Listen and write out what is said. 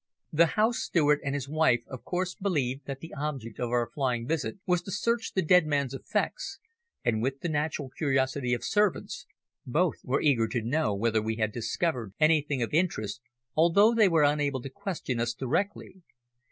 The house steward and his wife of course believed that the object of our flying visit was to search the dead man's effects, and with the natural curiosity of servants, both were eager to know whether we had discovered anything of interest, although they were unable to question us directly.